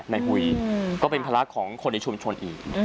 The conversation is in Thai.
หุยก็เป็นภาระของคนในชุมชนอีก